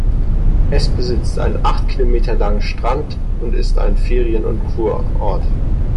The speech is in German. Es besitzt einen acht Kilometer langen Strand und ist ein Ferien- und Kurort.